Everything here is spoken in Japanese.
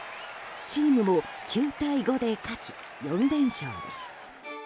チームも９対５で勝ち４連勝です。